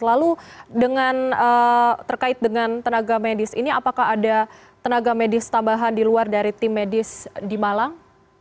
lalu terkait dengan tenaga medis ini apakah ada tenaga medis tambahan di luar dari tim medis di malang